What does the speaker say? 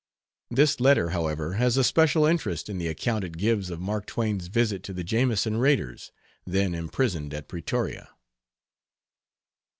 This letter, however, has a special interest in the account it gives of Mark Twain's visit to the Jameson raiders, then imprisoned at Pretoria.